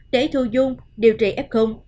để thu dung điều trị f